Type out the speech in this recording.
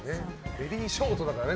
ベリーショートだからね。